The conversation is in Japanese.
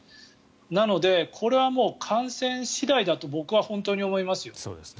なので、これは感染次第だと僕は本当に思いますよ。